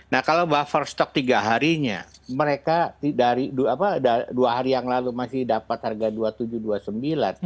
nah kalau buffer stok tiga harinya mereka dari dua hari yang lalu masih dapat harga rp dua puluh tujuh dua puluh sembilan